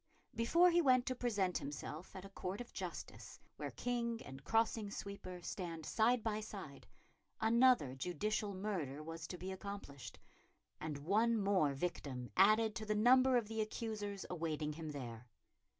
Before he went to present himself at a court of justice where king and crossing sweeper stand side by side, another judicial murder was to be accomplished, and one more victim added to the number of the accusers awaiting him there.